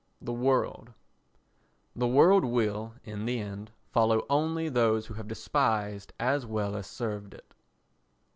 The World The world will, in the end, follow only those who have despised as well as served it.